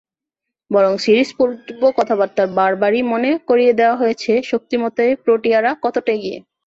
বরং সিরিজ-পূর্ব কথাবার্তায় বারবারই মনে করিয়ে দেওয়া হয়েছে শক্তিমত্তায় প্রোটিয়ারা কতটা এগিয়ে।